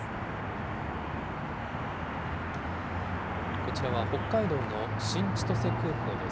こちらは、北海道の新千歳空港です。